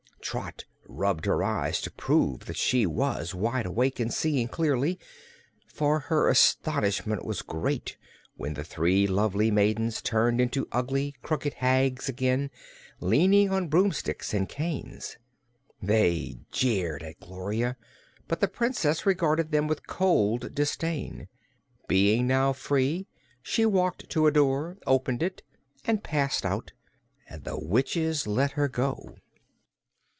Trot rubbed her eyes to prove that she was wide awake and seeing clearly, for her astonishment was great when the three lovely maidens turned into ugly, crooked hags again, leaning on broomsticks and canes. They jeered at Gloria, but the Princess regarded them with cold disdain. Being now free, she walked to a door, opened it and passed out. And the witches let her go.